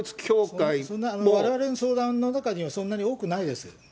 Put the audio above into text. われわれの相談の中には、そんなに多くないです。